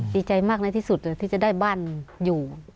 ดีใจมากในที่สุดที่จะได้บ้านอยู่